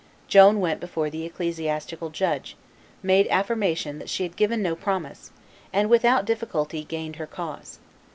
Joan went before the ecclesiastical judge, made affirmation that she had given no promise, and without difficulty gained her cause.